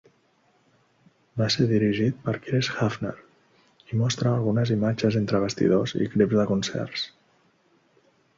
Va ser dirigit per Chris Hafner i mostra algunes imatges entre bastidors i clips de concerts.